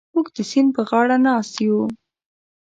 موږ د سیند پر غاړه ناست یو.